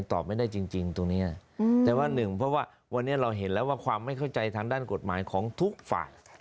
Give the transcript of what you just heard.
ตอบไม่ได้จริงตรงนี้แต่ว่าหนึ่งเพราะว่าวันนี้เราเห็นแล้วว่าความไม่เข้าใจทางด้านกฎหมายของทุกฝ่าย